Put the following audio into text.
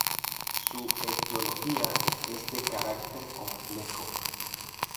Su etiología es de carácter complejo.